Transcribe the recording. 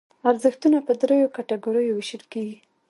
ارزښتونه په دریو کټګوریو ویشل کېږي.